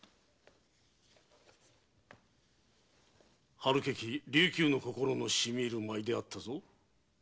遥けき琉球の心のしみ入る舞であったぞ。